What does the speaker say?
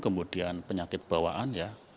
kemudian penyakit bawaan ya